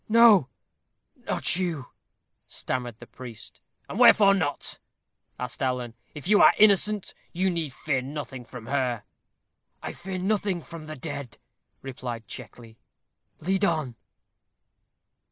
"No, not you," stammered the priest. "And wherefore not?" asked Alan. "If you are innocent, you need fear nothing from her." "I fear nothing from the dead," replied Checkley; "lead on."